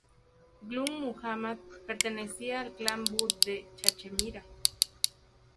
Ghulam Muhammad pertenecía al clan Butt de Cachemira.